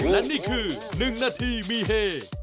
และนี่คือ๑นาทีมีเฮ